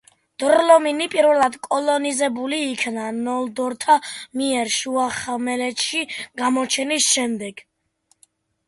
დორ-ლომინი პირველად კოლონიზებული იქნა ნოლდორთა მიერ, შუახმელეთში გამოჩენის შემდეგ.